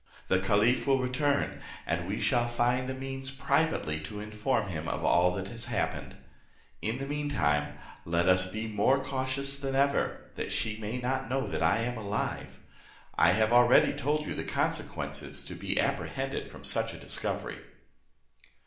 The caliph will return, and we shall find the means privately to inform him of all that has happened. In the mean time let us be more cautious than ever, that she may not know I am alive. I have already told you the consequences to be apprehended from such a discovery."